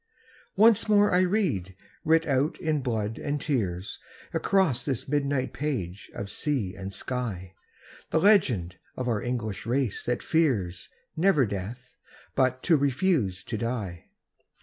Once more I read, writ out in blood and tears, Across this midnight page of sea and sky, The legend of our English race that fears, never death, but to refuse to die